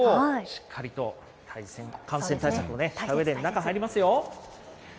しっかりと感染対策をね、したうえで、中、入りますよ。